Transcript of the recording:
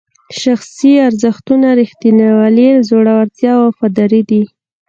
شخصي ارزښتونه ریښتینولي، زړورتیا او وفاداري دي.